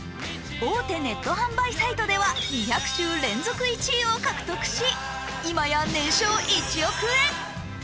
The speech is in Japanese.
大手ネット販売サイトでは２００週連続１位を獲得し、今や年商１億円。